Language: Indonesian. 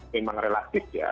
memang relatif ya